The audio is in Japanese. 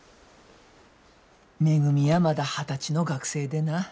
めぐみやまだ二十歳の学生でな。